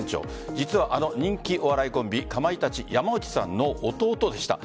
実は、あの人気お笑いコンビかまいたち・山内さんの弟でした。